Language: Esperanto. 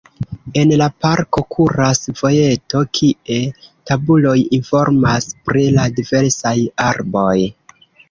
En la parko kuras vojeto, kie tabuloj informas pri la diversaj arboj.